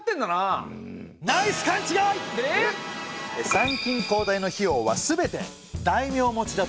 参勤交代の費用は全て大名持ちだったそうです。